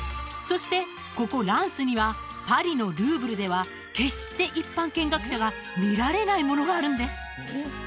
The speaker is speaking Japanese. そしてここランスにはパリのルーブルでは決して一般見学者が見られないものがあるんです